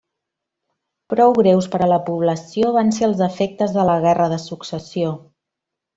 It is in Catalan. Prou greus per a la població van ser els efectes de la Guerra de Successió.